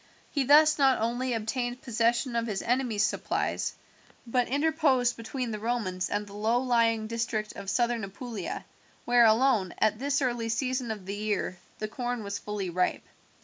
He thus not only obtained possession of his enemy's supplies, but interposed between the Romans and the low lying district of Southern Apulia, where alone, at, this early season of the year, the corn was fully ripe.